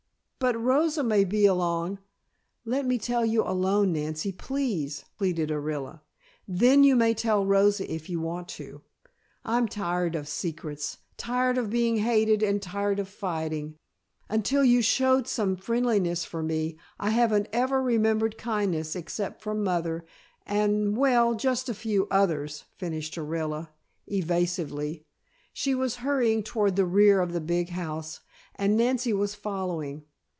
"But Rosa may be along " "Let me tell you alone, Nancy, please," pleaded Orilla. "Then you may tell Rosa if you want to. I'm tired of secrets, tired of being hated and tired of fighting. Until you showed some friendliness for me, I haven't ever remembered kindness except from mother, and, well, just a few others," finished Orilla, evasively. She was hurrying toward the rear of the big house and Nancy was following.